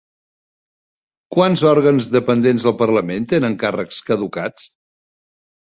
Quants òrgans dependents del Parlament tenen càrrecs caducats?